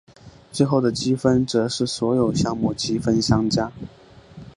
最后的积分则是所有项目积分相加。